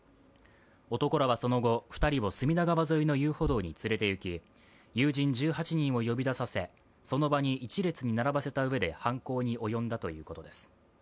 男らはその後、２人を隅田川沿いの遊歩道に連れていき友人１８人を呼び出させその場に一列に並ばせたうえで犯行に及んだということです。